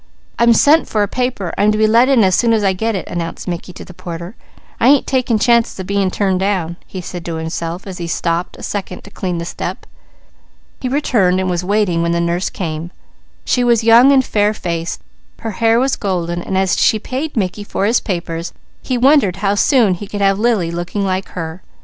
"I'm sent for a paper. I'm to be let in as soon as I get it," announced Mickey to the porter. "I ain't taking chances of being turned down," he said to himself, as he stopped a second to clean the step. He returned and was waiting when the nurse came. She was young and fair faced; her hair was golden, and as she paid Mickey for his papers he wondered how soon he could have Lily looking like her.